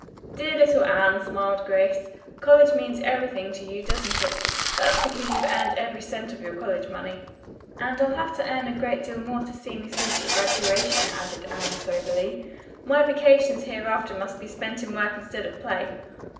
"Dear little Anne," smiled Grace. "College means everything to you, doesn't it? That's because you've earned every cent of your college money." "And I'll have to earn a great deal more to see me through to graduation," added Anne soberly. "My vacations hereafter must be spent in work instead of play."